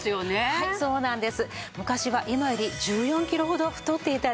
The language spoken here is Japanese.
はいそうなんです。